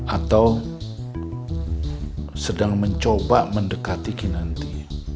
atau sedang mencoba mendekati kinanti